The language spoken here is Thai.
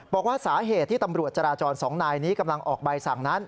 บอกว่าสาเหตุที่ตำรวจจราจรสองนายนี้กำลังออกใบสั่งนั้น